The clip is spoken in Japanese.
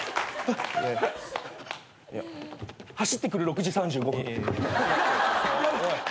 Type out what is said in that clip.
走ってくる６時３５分。